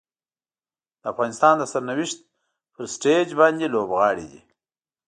د افغانستان د سرنوشت پر سټیج باندې لوبغاړي دي.